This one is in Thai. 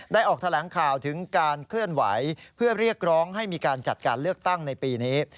ออกแถลงข่าวถึงการเคลื่อนไหวเพื่อเรียกร้องให้มีการจัดการเลือกตั้งในปีนี้